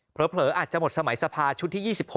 อาจจะหมดสมัยสภาชุดที่๒๖